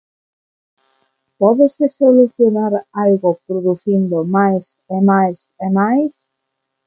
Pódese solucionar algo producindo máis e máis e máis?